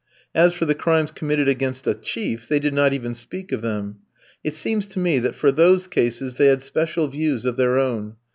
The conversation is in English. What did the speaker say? As for the crimes committed against a chief, they did not even speak of them. It seems to me that for those cases, they had special views of their own.